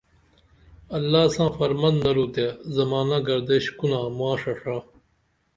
اللہ ساں فرمن درو تے ۠زمانہ گردش کُنا ماڜہ ڜا